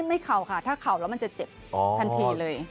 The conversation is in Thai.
ไม่เข่าค่ะถ้าเข่าแล้วมันจะเจ็บทันทีเลย